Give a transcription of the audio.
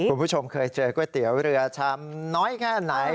คุณผู้ชมเคยเจอก๋วยเตี๋ยวเรือชามน้อยแค่ไหน